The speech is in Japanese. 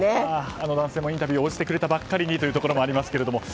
あの男性もインタビューに応じてくればっかりにというところもあるんですが。